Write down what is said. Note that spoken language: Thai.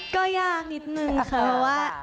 ก็ยากนิดนึงค่ะเพราะว่า